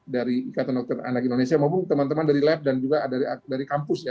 dari ikatan dokter anak indonesia maupun teman teman dari lab dan juga dari kampus ya